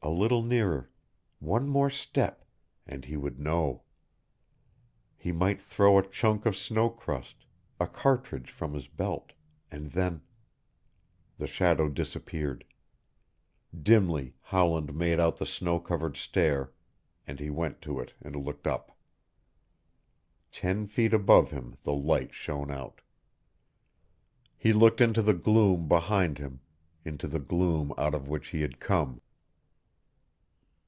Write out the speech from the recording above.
A little nearer one more step and he would know. He might throw a chunk of snow crust, a cartridge from his belt and then The shadow disappeared. Dimly Howland made out the snow covered stair, and he went to it and looked up. Ten feet above him the light shone out. He looked into the gloom behind him, into the gloom out of which he had come.